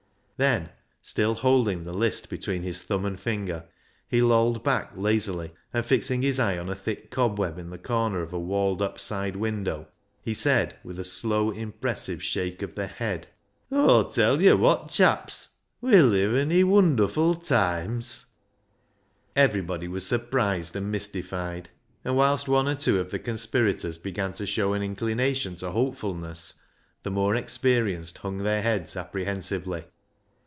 Then, still holding the list between his thumb and finger, he lolled back lazily, and fixing his eye on a thick cobweb in the corner of a walled up side window, he said, with a slow impressive shake of the head —" Aw'll tell yo' wot, chaps ; we liven i' wunder ful toimes." Everybody was surprised and mystified, and whilst one or two of the conspirators began to show an inclination to hopefulness, the more experienced hung their heads apprehensively.